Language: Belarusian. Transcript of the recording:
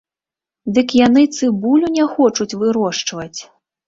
Дык яны цыбулю не хочуць вырошчваць!